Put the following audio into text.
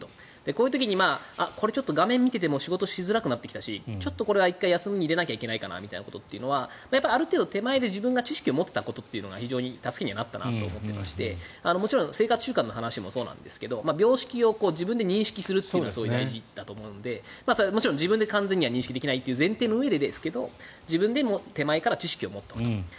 こういう時にこれ、画面を見ていても仕事しづらくなってきたしちょっとこれは１回休みを入れなきゃいけないかなということはある程度手前で自分が知識を持ってたことがよかったなと思っていましてもちろん生活習慣の話もそうなんですけど病識を自分で認識するというのも大事だと思うのでもちろん自分では完全に受け入れられないことの前提だと思うんですが自分で手前から知識を持っておくと。